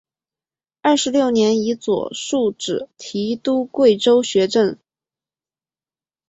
二十六年以左庶子提督贵州学政。